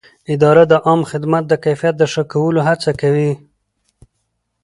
اداره د عامه خدمت د کیفیت د ښه کولو هڅه کوي.